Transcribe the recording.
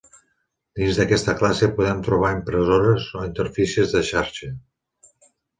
Dins d'aquesta classe podem trobar impressores o interfícies de xarxa.